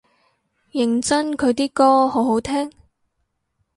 認真佢啲歌好好聽？